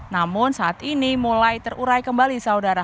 namun saat ini mulai terurai kembali saudara